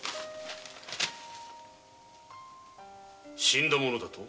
「死んだものだと」？